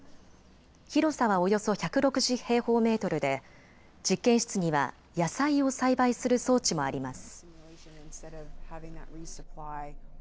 広さはおよそ１６０平方メートルで実験室には野菜を栽培する装置もあります。